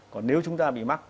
còn nếu chúng ta bị mắc